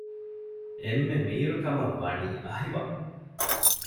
އެންމެ މީރު ކަމަށް ވަނީ އަހިވައް